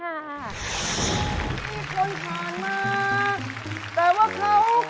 และของที่จะมาให้เลือกอยู่ทางด้านนู้นค่ะ